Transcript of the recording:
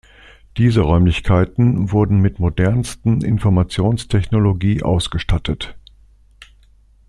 Diese Räumlichkeiten wurden mit modernsten Informationstechnologie ausgestattet.